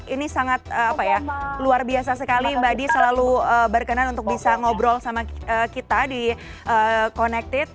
ini sangat luar biasa sekali mbak di selalu berkenan untuk bisa ngobrol sama kita di connected